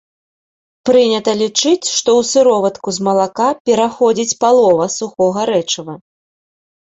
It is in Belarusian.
Прынята лічыць, што ў сыроватку з малака пераходзіць палова сухога рэчыва.